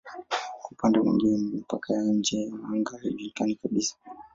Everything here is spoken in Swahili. Kwa upande mwingine mipaka ya nje ya anga haijulikani kabisa.